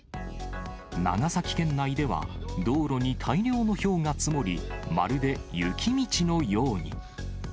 長崎県内では、道路に大量のひょうが積もり、まるで雪道のように。